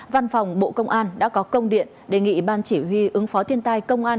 văn phòng bộ công an đã có công điện đề nghị ban chỉ huy ứng phó thiên tai công an